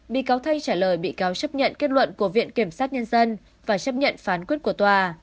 bị cáo thay trả lời bị cáo chấp nhận kết luận của viện kiểm sát nhân dân và chấp nhận phán quyết của tòa